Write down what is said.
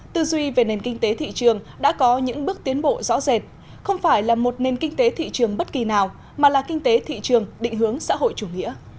tư duy về nền kinh tế thị trường đã có những bước tiến bộ rõ rệt không phải là một nền kinh tế thị trường bất kỳ nào mà là kinh tế thị trường định hướng xã hội chủ nghĩa